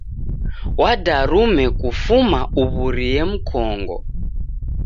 Wadarume kufuma uw'urie mkongo.